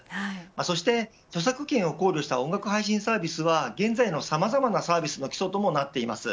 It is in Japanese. そして著作権を考慮した音楽配信サービスは現在のさまざまサービスの基礎ともなっています。